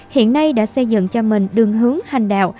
hiện nay đã xây dựng cho mình đường hướng hành đạo